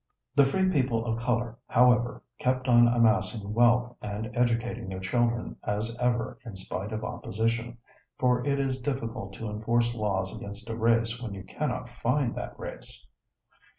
" The free people of color, however, kept on amassing wealth and educating their children as ever in spite of opposition, for it is difficult to enforce laws against a race when you cannot find that race.